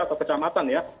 atau kecamatan ya